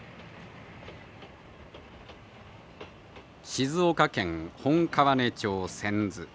静岡県本川根町千頭。